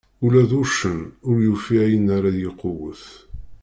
Ula d uccen ur yufi ayen ara iqewwet.